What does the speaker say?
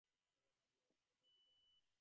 শীতকালের বাদলা, অনিচ্ছিত অতিথির মতো।